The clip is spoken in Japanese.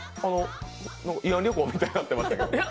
慰安旅行みたいになってましたけど。